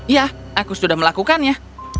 ya aku sudah melakukannya